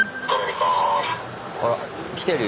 あら来てるよ。